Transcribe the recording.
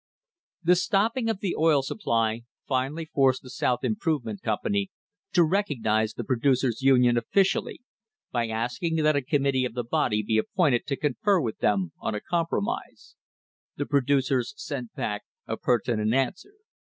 The stopping of the oil supply finally forced the South Improvement Company to recognise the Producers' Union officially by asking that a committee of the body be appointed to confer with them on a compromise. The producers sent back a pertinent answer.